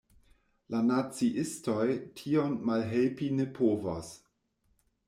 La naciistoj tion malhelpi ne povos.